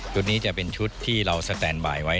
นี้จะเป็นชุดที่เราสแตนบายไว้